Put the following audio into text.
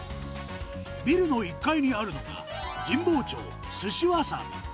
ビルの１階にあるのが、神保町すしわさび。